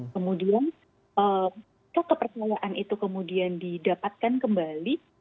kemudian kalau kepercayaan itu kemudian didapatkan kembali